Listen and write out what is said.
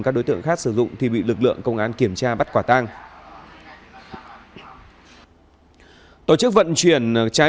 các đối tượng khác sử dụng thì bị lực lượng công an kiểm tra bắt quả tang tổ chức vận chuyển trái